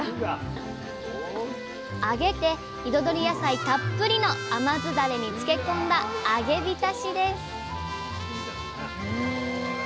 揚げて彩り野菜たっぷりの甘酢ダレにつけ込んだ「揚げびたし」です